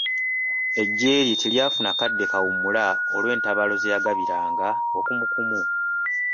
Eggye lye teryafuna kadde kawummula olw’entabaalo ze yagabiranga okumukumu.